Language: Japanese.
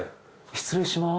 失礼します。